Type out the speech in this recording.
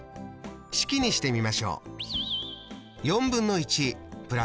式にしてみましょう。